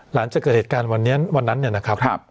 หลังจากเกิดเหตุการณ์วันนั้นนะครับ